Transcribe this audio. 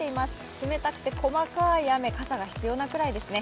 冷たくて細かい雨、傘が必要なくらいですね。